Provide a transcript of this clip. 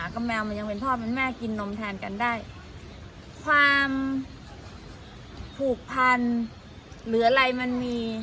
ความผูกพันหรืออะไรมันมี